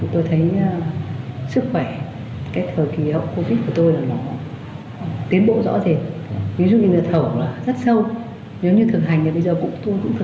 tôi thấy sức khỏe cách thở kỷ niệm covid của tôi là nó tiến bộ rõ rệt